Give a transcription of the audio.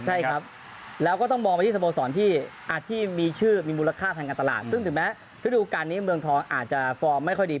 ใช่ครับแล้วก็ต้องมองไปที่สโมสรที่มีชื่อมีมูลค่าทางการตลาดซึ่งถึงแม้ฤดูการนี้เมืองทองอาจจะฟอร์มไม่ค่อยดี